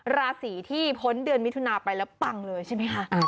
ราศีที่พ้นเดือนมิถุนาไปแล้วปังเลยใช่ไหมคะ